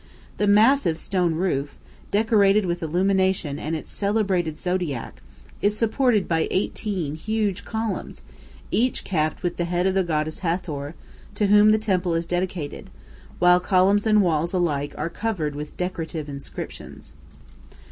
The massive stone roof, decorated with illumination and its celebrated zodiac, is supported by eighteen huge columns, each capped by the head of the goddess Hathor, to whom the temple is dedicated, while columns and walls alike are covered with decorative inscriptions.